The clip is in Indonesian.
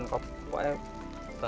ini harus dikonsumsi oleh rakyat